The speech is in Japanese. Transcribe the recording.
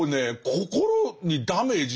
心にダメージ